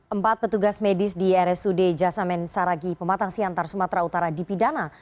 empat petugas medis di rsud jasamen saragi pematang siantar sumatera utara dipidana